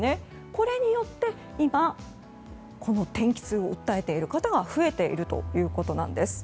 これによって今この天気痛を訴えている方が増えているということなんです。